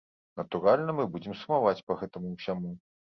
Натуральна, мы будзем сумаваць па гэтаму ўсяму.